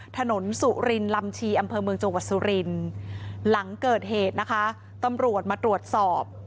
ถนนสุรินลำชีอำเภอเมืองจังหวัดสุรินทร์หลังเกิดเหตุนะคะตำรวจมาตรวจสอบ